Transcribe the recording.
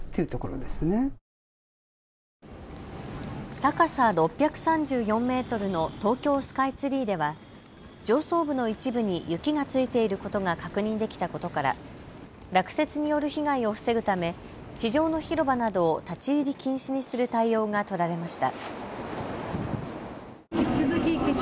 高さ６３４メートルの東京スカイツリーでは上層部の一部に雪がついていることが確認できたことから落雪による被害を防ぐため地上の広場などを立ち入り禁止にする対応が取られました。